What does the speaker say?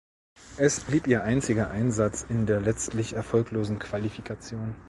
Es blieb ihr einziger Einsatz in der letztlich erfolglosen Qualifikation.